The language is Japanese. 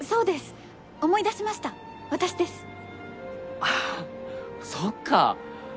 ああそっか！